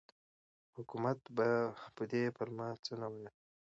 حکومت به په دې پلمه څه نه ویل.